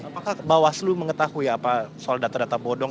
apakah bawah selu mengetahui apa soal data data bodong